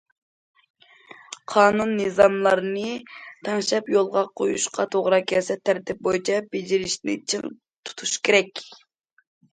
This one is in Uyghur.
قانۇن- نىزاملارنى تەڭشەپ يولغا قويۇشقا توغرا كەلسە، تەرتىپ بويىچە بېجىرىشنى چىڭ تۇتۇش كېرەك.